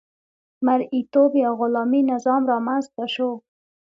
مرئیتوب یا غلامي نظام رامنځته شو.